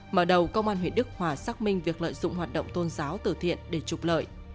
mở đầu công an huyện đức hòa xác minh việc lợi dụng hoạt động tôn giáo từ thiện để trục lợi